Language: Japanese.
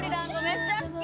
めっちゃ好き。